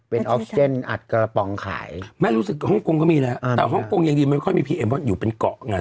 เป็นออฟเซ็นต์อัดกระป๋องขายไม่รู้สึกห้องกงก็มีแล้วอ่าแต่ห้องกงอย่างดีมันค่อยมีอยู่เป็นเกาะไง